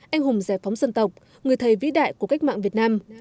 anh hùng giải phóng dân tộc người thầy vĩ đại của cách mạng việt nam